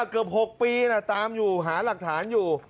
เกือบ๖ปีตามอยู่หาหลักฐานอยู่